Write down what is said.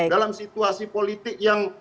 dalam situasi politik yang